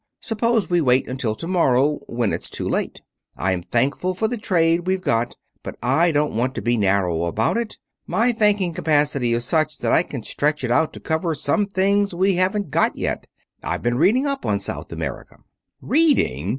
Suppose we wait until to morrow when it's too late. I am thankful for the trade we've got. But I don't want to be narrow about it. My thanking capacity is such that I can stretch it out to cover some things we haven't got yet. I've been reading up on South America." "Reading!"